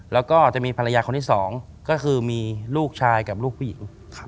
แล้วก็จะมีภรรยาคนที่สองก็คือมีลูกชายกับลูกผู้หญิง